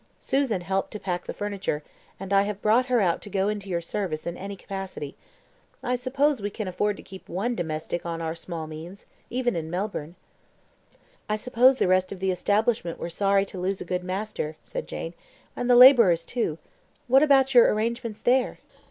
Susan helped to pack the furniture; and I have brought her out to go into your service in any capacity. I suppose we can afford to keep one domestic on our small means, even in Melbourne." "I suppose the rest of the establishment were sorry to lose a good master," said Jane; "and the labourers, too what about your arrangements there?"